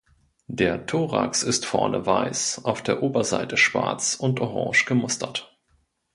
Der Thorax ist vorne weiß, auf der Oberseite schwarz und orange gemustert.